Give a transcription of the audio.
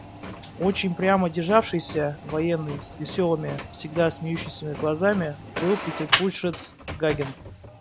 Очень прямо державшийся военный с веселыми, всегда смеющимися глазами был петербуржец Гагин.